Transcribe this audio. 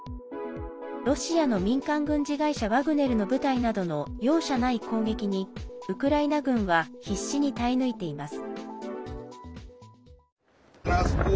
ロシアの民間軍事会社ワグネルの部隊などの容赦ない攻撃にウクライナ軍は必死に耐え抜いています。